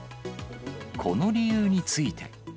この理由について。